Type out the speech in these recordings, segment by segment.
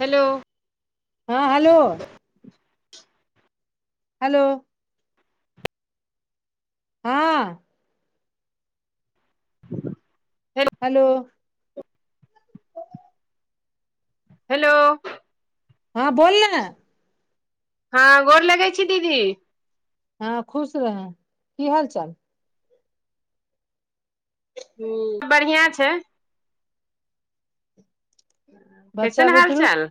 Hello हँ hello hello हँ hello [unintelligible] hello hello हँ बोल न हँ गोर लगै छी दीदी हँ खुश रह की हाल चाल हूँ बढ़ियाँ छै बच्चा कैसन हाल- बुतरु चाल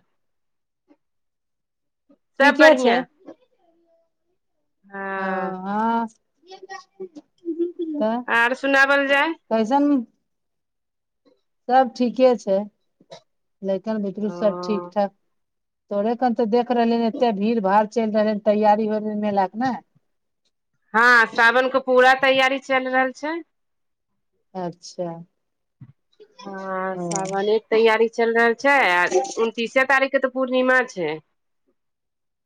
सब ठीके छै। बढ़िया हँ हँ तऽ आर सुनावल जाय। कैसन सब ठीके छै लैइकन बुदरू सब ठीक -ठाक थोरे कन तऽ देख रहलीये हन एते भीड़ -भाड़ चैल रहलै हन तैयारी होय रहलै हन मेला के नय हँ सावन के पूरा तैयारी चैल रहल छै। अच्छा हँ ओ सावने के तैयारी चलि रहल छै आ उनतीसे तारीख के तऽ पूर्णिमा छै।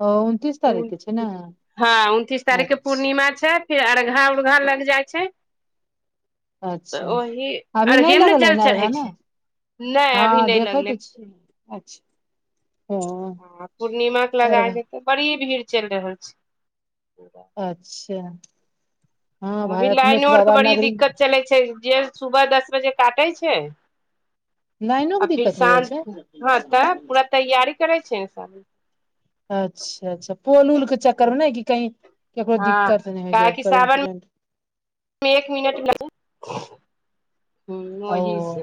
ओ उनतीस तारीख के छै ने हँ उनतीस तारीख के अच्छा पूर्णिमा छै फिर अरघा उरघा लग जाइ छै। तऽ अच्छा ओहि अभी नय अर्घे मे ने लगलेै जल चढ़ै हन छै नहि हँ अभी नहि देखै लगलै तऽ छियै। ओ हाँ पूर्णिमा के लगाय अरघा देते बड़ी भीड़ चलि रहल छै। अच्छा। हँ ओहि भाय अखने लाइनो तऽ आरके बाबा बड़ी नगरी दिक्कत चलै छै जे सुबह दस बजे काटे छै। लाइनो के आ फिर दिक्कत हो जाइ साँझ छै हाँ तऽ पूरा तैयारी करे छै ने स अच्छा अच्छा पोल उल के चक्करमे ने कहीं केकरो हँ दिक्कत नहि हो जाय काहेकि करेंट सावन उरेंट एक मिनट लगी हूँ ओ ओही से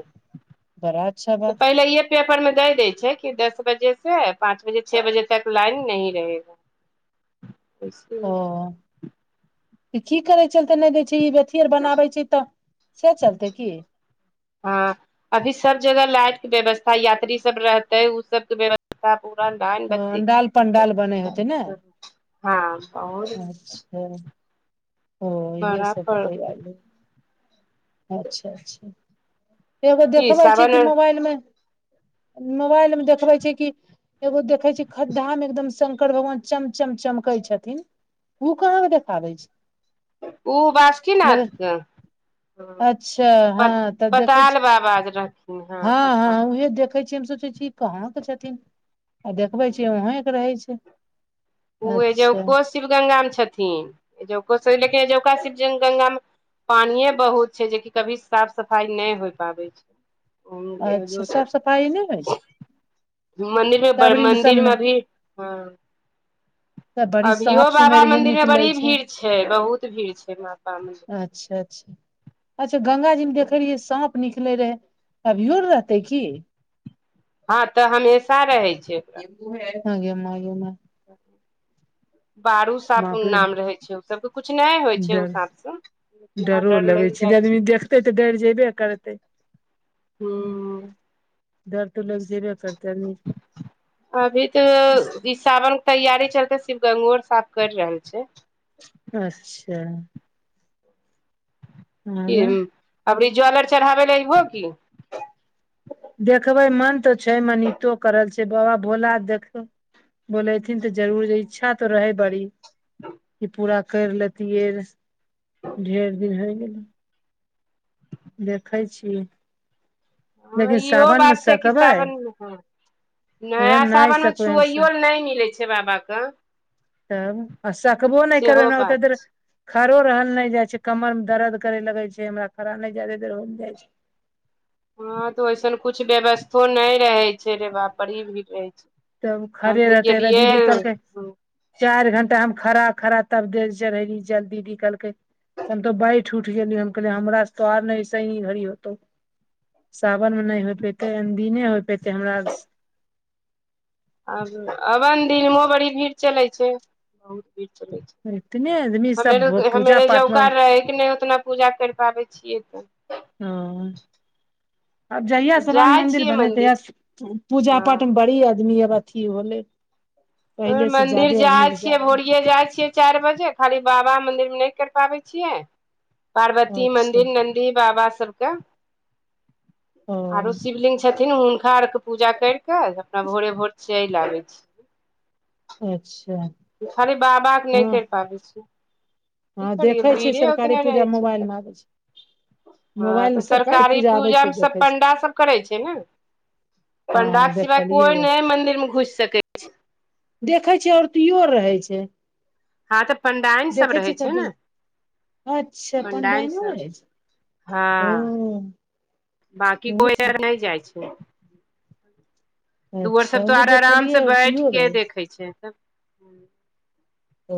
बड़ा अच्छा तऽ बात पहिले इह पेपरमे द देय छै कि दस बजे से पाँंच बजे छओ बजे तक लाइन नहं रहेगा एसे ओ की करै चलते नहि दै छी ई अथी आर बनाबै छै तऽ से चलते की हाँ अभी सब जगह लाइटके व्यवस्था यात्री सब रहतै ओ सब के व्यवस्था पूरा पुरा लाइन ब्ती अंडाल पंडाल बनै होते ने हाँ आओर अच्छा। ओ इहे बड़ा सब पर तऽ आ की अच्छा अच्छा। एगो देखबे छै कि सावन मोबाइलमे मोबाइलमे देखबे छै कि एगो देख देखै छै खद्दाा मे एकदम शंकर भगवान चमचम चमकै छथिन ओ कहाँ के देखाबै छै उ बासुकीनाथ के अच्छा प हाँ त देख पताल बाबा जे रहथिन हँ हाँ पताल हाँ उह देखै छी हम सोचै छी कहाँके छथिन आ देखबे बाबा छै वहेंके रहै छै। ओ अच्छा अजौको शिव गङ्गामे छथिन अजौकोन लेका शिव गङ्गामे पानि बहुत छै जेकि कभी साफ सफाई नहि हो पाबै छै। अच्छा एजौ साफ सफाइ नहि होइ छै। मन्दिरमे ब, तबरी सब ने -मन्दिरमे अभी हाँ तऽ बड़ी अभियो साँप बाबा सुनै रहियै मंदिरमे निकलै बड़ी भीड़ छै बहुत भीड़ छै। मातामे अच्छा अच्छा अच्छा गंगा जी मे देखे रहियै साँप। निकले रहै अभियोर रहतै की। हाँ तऽ हमेशा रहै छै ओकरा उहाए एखन गे मा गे मा [inaudible] बारू साँप बाप रे नाम रहै छै ओ सबके किछु नहि होइ छै ओ डर साँप से डरो लगै छै आदमी देखतै तऽ डर जेबे करतै। हूँ डर तऽ लग जेबै अभी तऽ इ सावन के तैयारी चलते शिव गंगो आर साफ करि रहल छै अच्छा हँ की गे अबरी जल आर चढ़ाबै लए अबहो की देखबै मन तऽ छै मनितो करल छै बाबा भोला देखथह बोलेथिन तऽ जरूर इच्छा तो रहै बड़ी कि पूरा करि लेतिये ढेर दिन होइ गेलै देखै छियै। हाँ लेकिन इहो सावन मे बात छै कि सकबै सावनमे हाँ उहे नया नहि सावनमे सकबै हम स छुइयओ ल नहि मिलै छै बाबाके। तब सकबो नहि करै हमरा बात ओते देर छै खड़ो रहल नहि जाइ छै कमर मे दर्द करे लगे छै हमरा खड़ा नहि ज्यादा देर होल जाइ छै। हँ तऽ ओसन किछ व्यवस्थो नै रहै छै रे बाप बड़ी भीड़ रहै छै। तब हम खरे तऽ रहतेै रहे दीदी कलकै गेलियै चार घंटा हम खड़ा खड़ा तब देल चढ़ली जल दीदी कहलकै से हम तो बैठ उठ गेली हम कहलियै हमरा स तो आर ऐसेनी [unintelligible] होतौ सावन में नै होय पयतै अन दिने होय पयतै हमरा आब अन दिनमो बड़ी भीड़ चलै छै इतने आदमी सब पूजा पाठ मे [unintelligible] पूजा कैर पाबै छियै तऽ [unintelligible] आब जहिया स राम जाइ मंदिर छियै बनले मन्दिर तहिया पूजा पाठ में हँ बड़ी आदमी आब थी भलै ओय मंदिर जाइ छियै जागलै भोरिए जाइ छियै चैर खाली बाबा मंदिर में नै कैर पाबै छियै पार्वती अच्छा मंदिर नं दी बाबा सब कऽ ओ [inaudible] आरो शिवलिंग छथिन थिन हुनका आर खऽ पूजा कैर कऽ अपना भोरे भोर चैल आबै छी अच्छा खाली बाबा केँ नै हँ कैर पाबै छिय कि हँ करि यै देखै छियै भीरे सरकारी ओतने पूजा रहे छै मोबाइल तऽ मे आबै छै हँ मोबाइल तऽ मे सरकारी आबै पूजा छै सब देखै छै पण्डा सब करै छै न पंडा हँ केँ सिवाय कोई देखलियै नै मंदिर में घुस सकै छै देखै छै औरतीयो रहै छै हँ तऽ पण्डाइन सब देखै रहै छियै छै कदू न [inaudible] अच्छा पंडाईन पंडइनो सब रहै छै [inaudible] हँ ओ बाकी कोइ अर नै जाइ छै ओ सब अच्छा तो उहे अर आराम देखलियै से बैठ औरतियो केँ रहै देखै छै ओ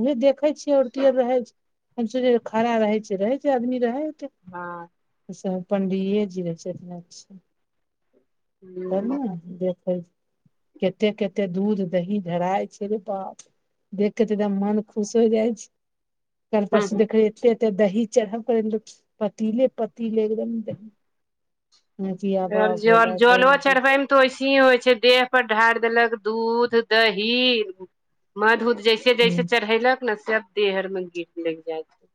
उहे देखे छियै औरत रहै छै हम सोचै छी खड़ा रहै छै रहै एतै आदमी रहै ते हँ सब पंडिये जी रहै छथि अक्सर [unintelligible] [unintelligible] कते कते दूध दही ढराइ छै रे बाप देख केँ तऽ एकदम मन खुश हो जाइ छै [inaudible] कैल परसू हूँ देखै एते एते तऽ दही चढ़ाव लु पतीले पतीले एकदम दही और जल [unintelligible] जलो चढ़बै मे तो वैसे ही होइ छै देह पर ढार देलक दूध दही मध उध जैसे जेसे हूँ जैसे चढ़ेलक न सब देह आर में गिर लग जाइ छै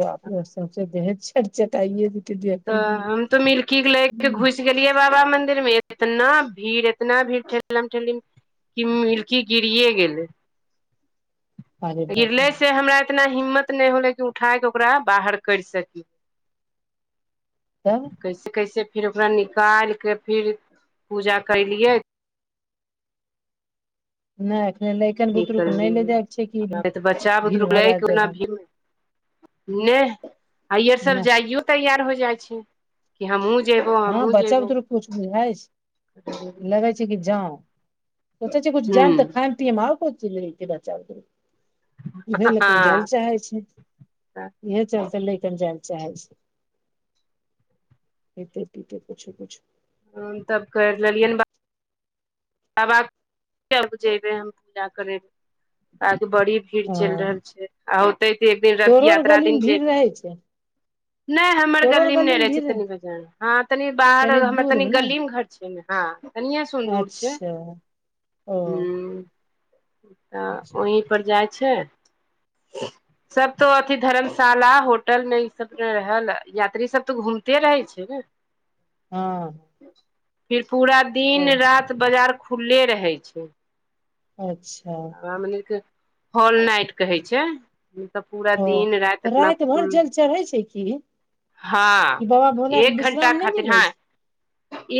बाप रे सौसे देहे चट चटए जेतै देह पर तऽ हम तऽ मिलकी केँ लै केँ घुस गेलियै बाबा मंदिर में इतना भीड़ एतना भीड़ फेर ठेलम ठेली कि मिलकी गिरिए गेलै अरे बाप रे गिरले बाप से हमरा इतना हिम्मत नै होलै कि उठाय कऽ ओकरा बाहर कैर सकी तब कैसे कैसे फिर ओकरा निकैल केँ फिर पूजा कैलियै नै एखने नै निकएलै नै तऽ बच्चा भीड़ बुतरु भाड़ा लैक ओना जगह भीड़ नेह आइअर सभ नहि जाइयो तैयार हो जाइ छै। कि हमहूँ जयबौ हँ हमहूँ बच्चा जयबौ बुतरुक कुछ बुझाइ छै लगै छै कि जाम सोचै छि कुछ हूँ जेब तऽ खायम उहे लऽके उ जैले हँ चाहैल छै [unintelligible] इहे चलते लइकन जाय ले चाहै छै। खैतै पीतै कुछु कुछु हाँ तब करि लेलियै न बात बाबाक [unintelligible] जेबै हम पूजा करे ल आज बड़ी भीड़ चलि हँ रहल छै आ होते तऽ एक दिन रथ तोरो आर यात्रा गली दिन मे भीड़ जेबै रहै छै नय हमर तोरो आर गलीमे गली नय मे रहै छै भीड़ तनी बजार मे तनि बाहर तनी हमर दूर तनि मे ने गलीमे घर हाँ कनिये सून दूर छै अच्छा ओ हँ ओहीं पर जाइ छै सब तो अथि धर्मशाला होटल मे ई सब रहल यात्री सब तऽ घूमते रहै छै ने [inaudible] हँ फिर पूरा दिन तब रति बाजार खुलले रहै छै अच्छा फैमिली के हॉल नाइट कहै छै नय तऽ पूरा ओ दिन राति तऽ अपना भरि खुल जल चढ़ै छै की हाँ ई बाबा भोलाके एक घण्टा विश्राम नहि खातिर मिलै हाँ छै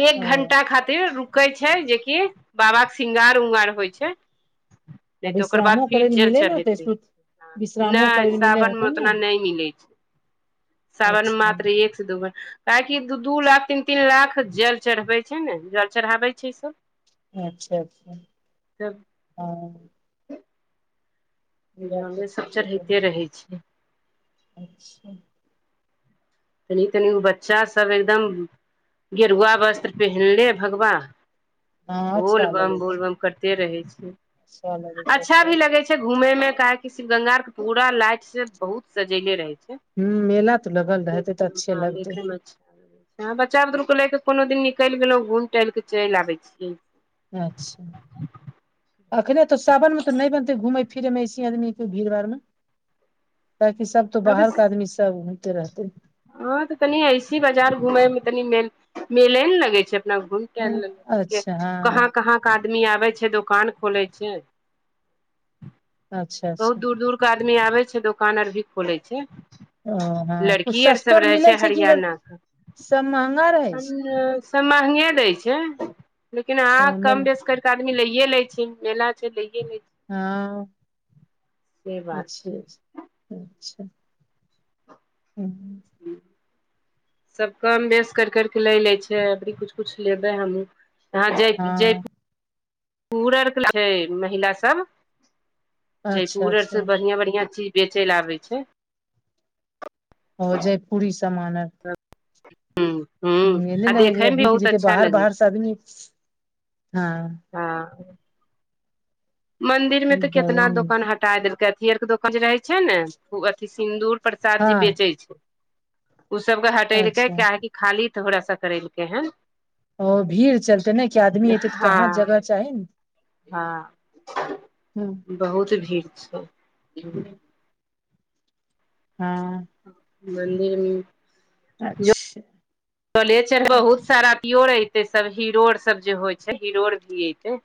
एक ओ घण्टा खातिर रूक कै छै जेकि बाबा के शृंगार उंगार होइ छै आ नय तऽ ओकर बाद विश्रामो फिर करै लए जेल मिलै ने चढ़ैत होतै रहै सु छै विश्रामो नय करै लए मिलै सावन मे होतै ने ओतना नय मिलै छै सावन अच्छा मात्र एक दूगर काहेकि दू दू लाख तीन तीन लाख जल चढ़बै छै ने जल चढ़ाबै छै ई सब अच्छा अच्छा तब हँ ई बात तऽ जले सभ ठीके कहै चढ़ैते रहै छै। अच्छा तनी तनी गो बच्चा सब एकदम गेरुआ वस्त्र पहिनले भगवा हँ बोल अच्छा बम लगै बोल छै बम करते रहै छै अच्छा लगै छै अच्छा भी लगै छै। घूमे मे काहेकि शिव गंगा के पूरा लाइट से बहुत सजेले रहै छै। हुँ मेला तऽ लगल रहतै तऽ देखैमे अच्छे हँ लगतै देखैमे अच्छा हँ बच्चा बुतरूके ले कऽ कोनो दिन निकलि गेलौं घुमि टहलि के चलि आबै छियै। अच्छा अखने तो सावन मे तऽ नय बनते घुमेै फिरे मे ऐसे आदमीे के भीड़ भाड़ मे ताकि सब तो बाहरके आदमी सब घमते रहते हँं तऽ तनि ऐसे बाजार घूमे मे तनी मेल मेले ने लगे छै। अपना घुम के लेल अच्छा कहाँ हँ -कहाँ आदमी आबै छै दोकान खोलै छै अच्छा अच्छा बहुत दूर दूर आदमी आबै छै दोकान आर भी खोले छै। ओ हँ कुछु लड़की सस्तो सब आर रहे मिलै छै कि हरियाणा के सब महंगा रहै छै। सब महंगे दै छै लेकिन ओ आ मिल कम बेस करि क आदमी लैेये ले छै मेला छै लैये ले छै। हँ से बात अचछ छै अच्छा अच्छा हूँ सब काम बेस करि करके लै लै छै अभरी कुछ कुछ लेबै हमहूँ हा जय-जयुर हँ पूर आर के ल छै महिला सब अच्छा जयपुर आर अच्छा से बढ़ियाँ - बढ़ियाँ चीज बेचै लए आबै छै। ओ जयपुरी सामान हूँ हूँ एने लगै छै बीक जेतै बाहर बाहर से छै आदमी हाँ हँ मंदिर मे तऽ कितना गरम दोकान ह- हटा देलकै अथी आर के दोकान जे रहै छै ने अथी सिन्दूर प्रसाद जे हँ बेचै छै ओ सबके हटेलकै अच्छा काहाहेकि खाली थोड़ा सा करेलकै हन ओ भीड़ चलते ने कि आदमी एतै तऽ कहाँ जगह चाही ने हाँ हम्म, बहुत भीड़ छै हूँ हाँ मन्दिरमे अच्छा कले बहुत सारा अथियोर एते सब हीरो आर सब जे होइ छै हीरो आर भी एते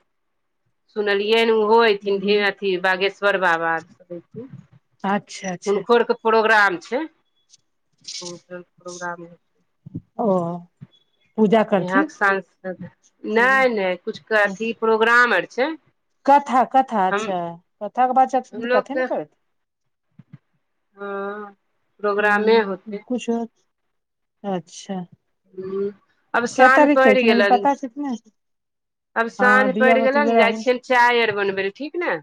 सुनलियै ओहोथिन ओ हम्म, अथि बागेश्वर बाबा अच्छा अच्छा हुनकोरके प्रोग्राम छै हुनको प्रोग्राम ओ पूजा करथिन यहाँके सांसद नहि नहि किछुके अथी प्रोग्राम आर छै कथा कथा हम अच्छा कथा के बात त हमलोग कथे ने के कर हँ प्रोग्रामे हूँ होतै किछ आओर अच्छा हूँ आब क साँझ तारीख पड़ि कहथिन अभी गेलनि पता छैथिन ने आब हँ साँझ दिया पड़ि गेल बती ने बड़ा जाइ छियनि चाय आर बनबै लए ठीक ने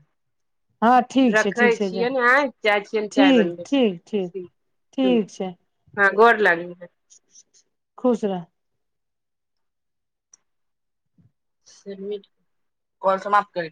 हाँ ठीक छै ठीक रखै छै जा छियनि आँय जाइ छियनि चाय ठीक बनबै ठीक ठीक ठीक छै हाँ गोर लागै हइ खुस रह से मिट कॉल समाप्त करै